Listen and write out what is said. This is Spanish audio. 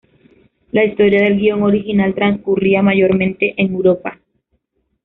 La historia del guión original transcurría mayormente en Europa.